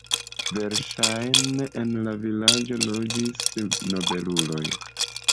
Verŝajne en la vilaĝo loĝis nobeluloj.